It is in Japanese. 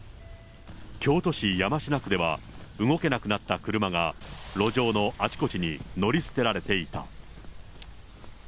京都市山科区では、動けなくなった車が、路上のあちこちに乗り捨てられていた。